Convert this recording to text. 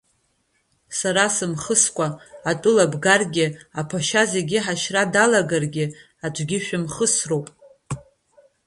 Сара сымхыскәа, атәыла бгаргьы, аԥашьа зегьы ҳашьра далагаргьы, аӡәгьы шәымхысроуп.